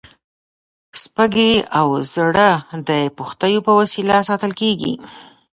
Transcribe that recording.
سږي او زړه د پښتیو په وسیله ساتل کېږي.